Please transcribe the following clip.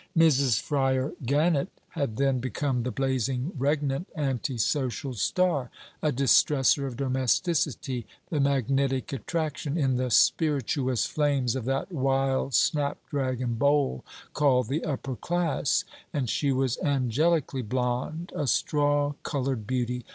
Mrs. Fryar Gannett had then become the blazing regnant antisocial star; a distresser of domesticity, the magnetic attraction in the spirituous flames of that wild snapdragon bowl, called the Upper class; and she was angelically blonde, a straw coloured Beauty.